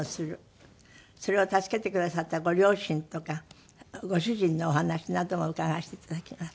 それを助けてくださったご両親とかご主人のお話なども伺わせて頂きます。